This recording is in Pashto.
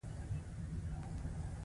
ډاکټر یاورسکي د خپل کتاب په پای کې لیکي.